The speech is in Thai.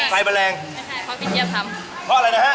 เพราะอะไรนะฮะ